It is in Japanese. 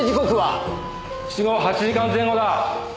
死後８時間前後だ。